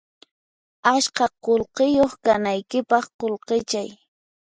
Askha qullqiyuq kanaykipaq qullqichay